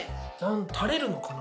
たれるのかな？